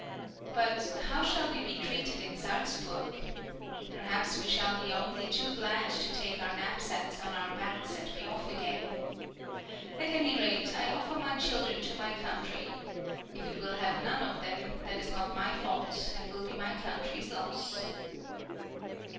But how shall we be treated in Salzburg? Perhaps we shall be only too glad to take our knapsacks on our backs and be off again. At any rate, I offer my children to my country. If it will have none of them, that is not my fault, and will be my country's loss.